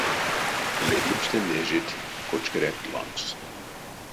Ледемстэ нежедть кочкарят лангс.